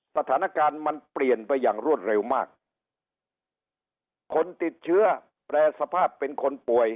สถานการณ์มันเปลี่ยนไปอย่างรวดเร็วมากคนติดเชื้อแปรสภาพเป็นคนป่วย